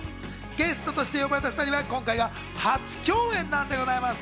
ゲストとして呼ばれた２人は今回が初共演なんでございます。